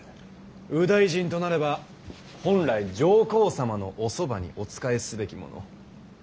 右大臣となれば本来上皇様のおそばにお仕えすべきもの。